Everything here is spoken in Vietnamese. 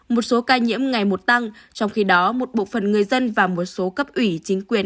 một số ca nhiễm ngày một tăng trong khi đó một bộ phận người dân và một số cấp ủy chính quyền